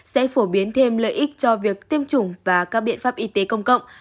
sẽ phổ biến thêm lợi ích cho việc tiêm chủng và các biện pháp y tế công cộng